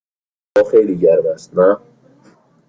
هوا خیلی گرم است، نه؟